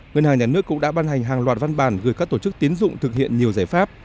ngân hàng nhà nước cũng đã ban hành hàng loạt văn bản gửi các tổ chức tiến dụng thực hiện nhiều giải pháp